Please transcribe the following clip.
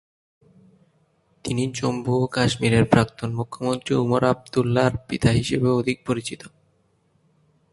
তিনি জম্মু ও কাশ্মীরের প্রাক্তন মুখ্যমন্ত্রী ওমর আবদুল্লাহর পিতা হিসেবেও অধিক পরিচিত।